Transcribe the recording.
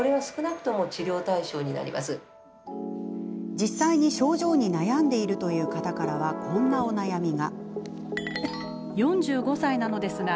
実際に症状に悩んでいるという方からはこんなお悩みが。